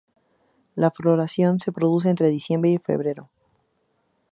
La floración se produce entre diciembre y febrero.